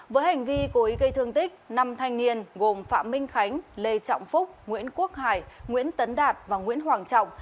với hành vi cố ý gây thương tích năm thanh niên gồm phạm minh khánh lê trọng phúc nguyễn quốc hải nguyễn tấn đạt và nguyễn hoàng trọng